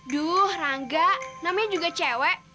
duh rangga namanya juga cewek